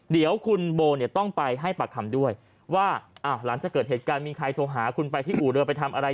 เดี๋ยวคุณโบเนี่ยต้องไปให้ปากคำด้วยว่าหลังจากเกิดเหตุการณ์มีใครโทรหาคุณไปที่อู่เรือไปทำอะไร